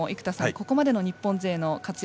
ここまでの日本勢の活躍